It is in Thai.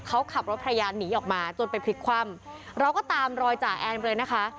เขาขับรถภรรยาหนีออกมาจนไปพลิกคว่ำเราก็ตามรอยจ่าแอนเลยนะคะ